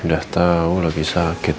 udah tau lagi sakit